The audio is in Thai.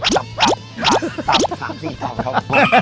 ตับตับ๓๔ตับครับ